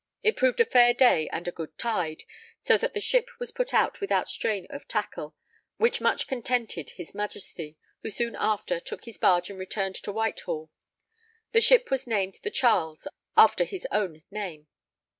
It proved a fair day and good tide, so that the ship was put out without strain of tackle, which much contented his Majesty, who soon after took his barge and returned to Whitehall. The ship was named the Charles after his own name.